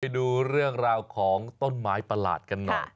ดูเรื่องราวของต้นไม้ประหลาดกันหน่อย